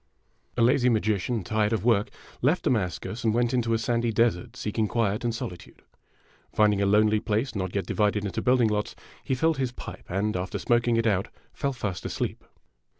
'' A LAZY magician, tired of work, left Damascus and went into a sandy desert, seeking quiet and solitude. Finding a lonely place not yet divided into building lots, he filled his pipe, and, after smoking it out, fell fast asleep.